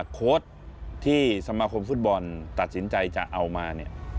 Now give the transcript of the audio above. โค้ดที่สมาคมฟุตบอลตัดสินใจจะเอามาเนี่ย